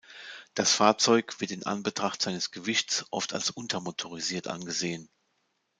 Das Fahrzeug wird in Anbetracht seines Gewichts oft als untermotorisiert angesehen.